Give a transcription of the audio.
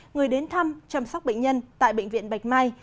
người đến thăm chăm sóc bệnh nhân tại bệnh viện bạch mai